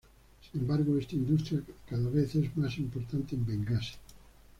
Sin embargo, esta industria cada vez es más importante en Bengasi.